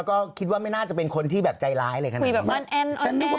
ก็คิดว่าไม่น่าจะเป็นคนที่ใจร้ายอะไรค่ะ